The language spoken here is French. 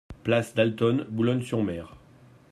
Place Dalton, Boulogne-sur-Mer